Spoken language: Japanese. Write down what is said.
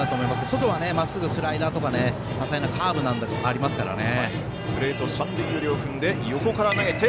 外は、まっすぐ、スライダーとか多彩なカーブなんていうのもありますからね。